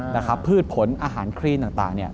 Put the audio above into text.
และครับพืชผลอาหารครีนต่างเนี่ย